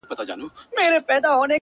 ه چیري یې د کومو غرونو باد دي وهي ـ